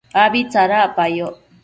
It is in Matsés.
abi tsadacpayoc